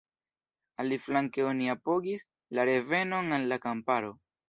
Aliflanke oni apogis “la revenon al la kamparo”.